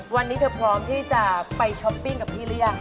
วันนี้เธอพร้อมที่จะไปช้อปปิ้งกับพี่หรือยัง